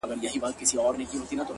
را ژوندی سوی يم، اساس يمه احساس يمه،